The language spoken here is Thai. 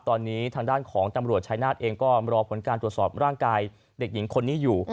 ตอนนี้ทางด้านของตำรวจชายนาฏเองก็รอผลการตรวจสอบร่างกายเด็กหญิงคนนี้อยู่